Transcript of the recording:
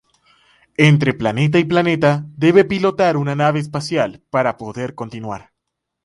Entre planeta y planeta debe pilotar una nave espacial para poder continuar.